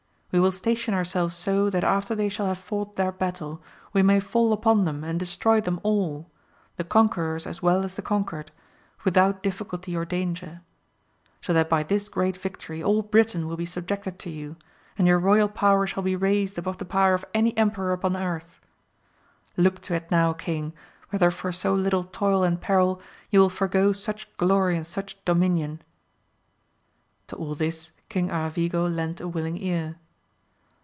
We will station ourselves so that afber they shall have fought their battle, we may fall upon them and destroy them all, the conquerors as well as the conquered, without difficulty or danger ; so that by this great victory all Britain will be subjected to you, and your royal power shall be raised above the power of any emperor upon earth. ' Look to it now, king ! whether for so little toil and peril you will forego such glory and such do minion. To all this King Aravigo lent a willing ear.